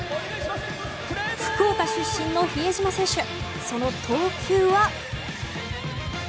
福岡出身の比江島選手その投球は。